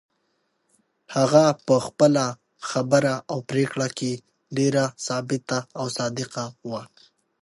هغه په خپله خبره او پرېکړه کې ډېره ثابته او صادقه وه.